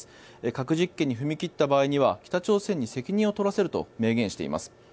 核実験に踏み切った場合には北朝鮮に責任を取らせると明言しています。